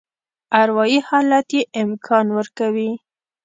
اروایي حالت یې امکان ورکوي.